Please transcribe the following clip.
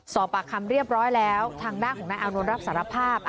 สอบปากคำเรียบร้อยแล้วทางด้านของนายอานนท์รับสารภาพ